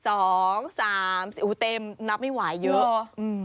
โอ้โหเต็มนับไม่ไหวเยอะอืม